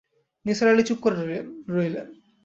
নিসার আলি চুপ করে রইলেন।